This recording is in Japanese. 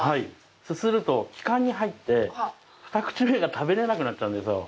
すすると気管に入って二口目が食べれなくなっちゃうんですよ。